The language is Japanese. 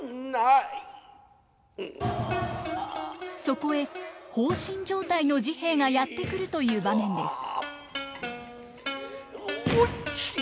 そこへ放心状態の治兵衛がやって来るという場面です。